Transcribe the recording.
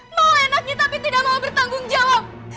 mau enaknya tapi tidak mau bertanggung jawab